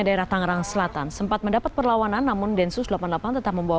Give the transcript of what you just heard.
daerah tangerang selatan sempat mendapat perlawanan namun densus delapan puluh delapan tetap membawa